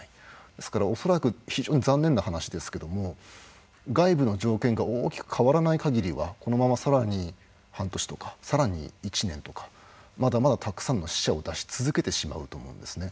ですから、恐らく非常に残念な話ですけど外部の条件が大きく変わらない限りはこのままさらに半年とかさらに１年とかまだまだたくさんの死者を出し続けてしまうと思うんですね。